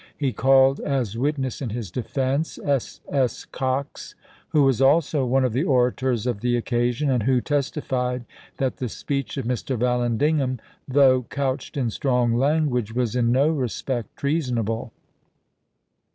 He called as wit ness in his defense S. S. Cox, who was also one of the orators of the occasion, and who testified that the speech of Mr. Vallandigham, though couched in strong language, was in no respect treasonable.